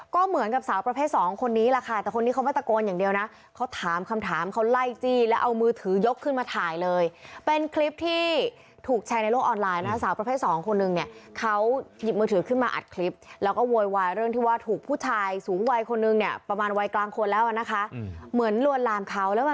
ก็เหมือนกับสาวประเภทสองคนนี้แหละค่ะแต่คนนี้เขาไม่ตะโกนอย่างเดียวนะเขาถามคำถามเขาไล่จี้แล้วเอามือถือยกขึ้นมาถ่ายเลยเป็นคลิปที่ถูกแชร์ในโลกออนไลน์นะสาวประเภทสองคนนึงเนี่ยเขาหยิบมือถือขึ้นมาอัดคลิปแล้วก็โวยวายเรื่องที่ว่าถูกผู้ชายสูงวัยคนนึงเนี่ยประมาณวัยกลางคนแล้วอ่ะนะคะเหมือนลวนลามเขาแล้วมา